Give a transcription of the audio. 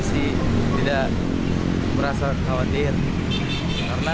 artinya dengan jaga kekhawatiran ya jaga olahraga bertemu dengan orang orang lain